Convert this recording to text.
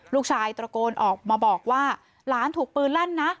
ตระโกนออกมาบอกว่าหลานถูกปืนลั่นนะ